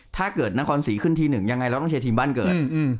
นครศรีขึ้นทีหนึ่งยังไงเราต้องเชียร์ทีมบ้านเกิด